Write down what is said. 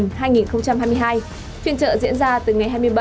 phiên trợ diễn ra từ ngày hai mươi bảy đến ngày ba mươi tháng một